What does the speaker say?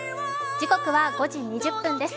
時刻は５時２０分です。